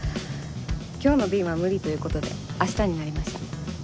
今日の便は無理という事で明日になりました。